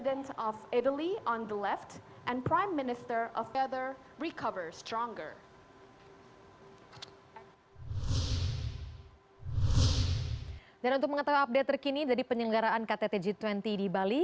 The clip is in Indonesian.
dan untuk mengetahui update terkini dari penyelenggaraan ktd g dua puluh di bali